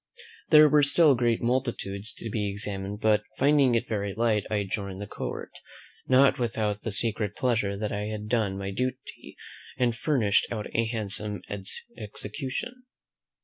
There were still great multitudes to be examined; but, finding it very late, I adjourned the court, not without the secret pleasure that I had done my duty, and furnished out a handsome execution.